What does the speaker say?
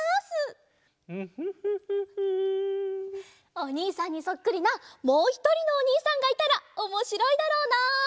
おにいさんにそっくりなもうひとりのおにいさんがいたらおもしろいだろうな！